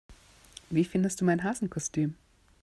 Wie findest du mein Hasenkostüm?